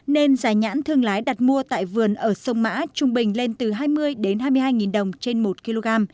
nên giá nhãn thương lái đặt mua tại vườn ở sông mã trung bình lên từ hai mươi hai mươi hai đồng trên một kg